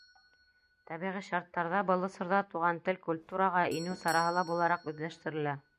Тәбиғи шарттарҙа был осорҙа туған тел культураға инеү сараһы ла булараҡ үҙләштерелә.